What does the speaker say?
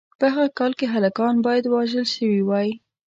په هغه کال کې هلکان باید وژل شوي وای.